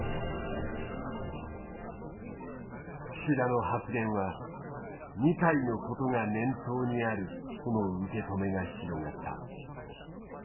岸田の発言は二階のことが念頭にあるとの受け止めが広がった。